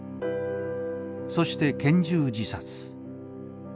そして拳銃自殺。